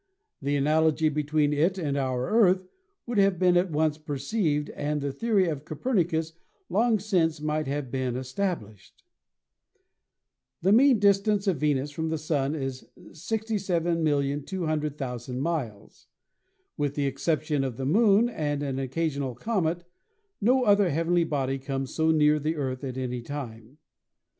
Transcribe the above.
The analogy between it and our Earth would have 136 ASTRONOMY been at once perceived and the theory of Copernicus long since might have been established. The mean distance of Venus from the Sun is 67,200,000 miles. With the exception of the Moon and an occasional comet no other heavenly body comes so near the Earth at any time.